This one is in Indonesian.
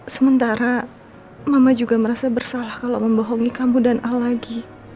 sementara mama juga merasa bersalah kalau membohongi kamu dan al lagi